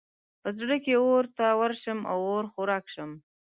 په زړه کې اور ته ورشم او اور خوراک شم.